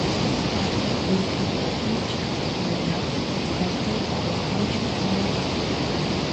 或者地鐵連商場連物業嗰啲就話安全啫